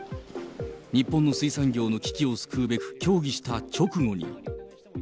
日本の水産業の危機を救うべく協議した直後に。